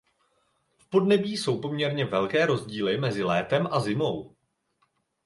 V podnebí jsou poměrně velké rozdíly mezi létem a zimou.